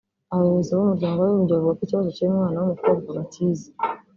Abayobozi b’Umuryango w’Abibumbye bavuga ko ikibazo cy’uyu mwana w’umukobwa bakizi